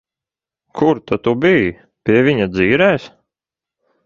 Kur tad tu biji? Pie viņa dzīrēs?